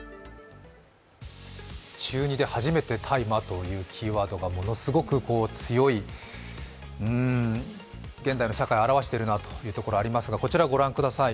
中２で初めて大麻というキーワードがものすごく強い、うーん、現代の社会を表しているなと思うところがありますが、こちら、ご覧ください。